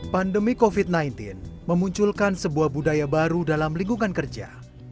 pandemi covid sembilan belas memunculkan sebuah budaya baru dalam lingkungan kerja